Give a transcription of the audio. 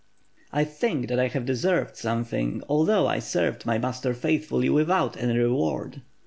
"I think that I have deserved something, although I served my master faithfully without any reward."